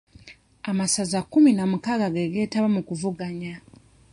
Amasaza kkumi na mukaaga ge geetaba mu kuvuganya.